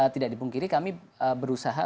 tidak dipungkiri kami berusaha